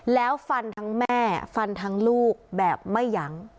แล้วฟันทั้งแม่ฟันทั้งลูกแบบไม่ยั้ง